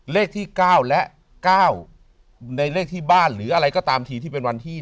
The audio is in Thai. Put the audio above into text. เลขที่๙และ๙ในเลขที่บ้านหรืออะไรก็ตามทีที่เป็นวันที่